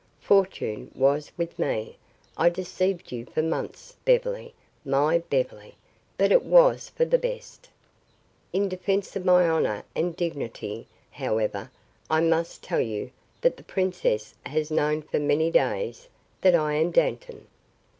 Fortune was with me, I deceived you for months, Beverly my Beverly, but it was for the best. In defense of my honor and dignity, however, I must tell you that the princess has known for many days that I am Dantan.